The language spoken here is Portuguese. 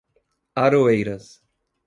Aroeiras